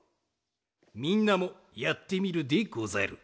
みんなもやってみるでござる！